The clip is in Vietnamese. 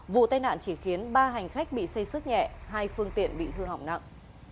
vụ tai nạn chỉ khiến ba hành khách bị xây sức nhẹ hai phương tiện bị hư hỏng nặng